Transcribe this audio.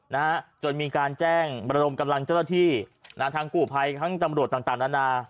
นะจนมีการแจ้งบรรดมกำลังเจ้าหน้าที่ณทางกู่ภัยทางตำรวจต่างนานา